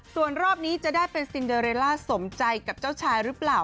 ส่วนรอบนี้จะได้เป็นซินเดอเรลล่าสมใจกับเจ้าชายหรือเปล่า